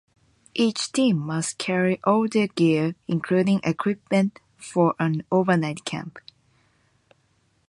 Each team must carry all their gear, including equipment for an overnight camp.